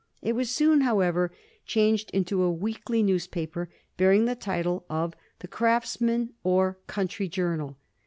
It was soon, however, changed into a weekly newspaper bearing the title of the Craftsman or Country Journal.